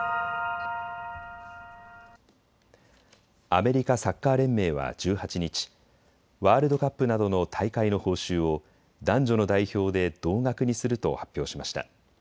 アメリカサッカー連盟は１８日、ワールドカップなどの大会の報酬を男女の代表で同額にすると発表しました。